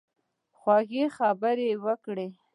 خوږې خبرې وکړه.